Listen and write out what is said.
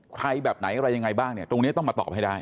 ใครแบบไหนอะไรยังไงบ้างเนี่ยตรงนี้ต้องมาตอบให้ได้